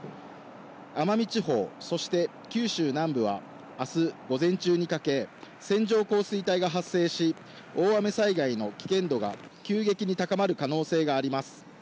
奄美地方、そして九州南部は、あす午前中にかけ、線状降水帯が発生し、大雨災害の危険度が急激に高まる可能性があります。